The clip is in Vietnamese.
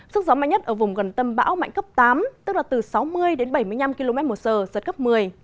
sức gió mạnh nhất ở vùng gần tâm bão mạnh cấp tám tức là từ sáu mươi đến bảy mươi năm km một giờ giật cấp một mươi